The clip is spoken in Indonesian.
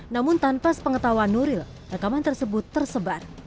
namun tanpa sepengetahuan nuril rekaman tersebut tersebar